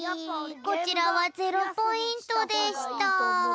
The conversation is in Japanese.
こちらは０ポイントでした。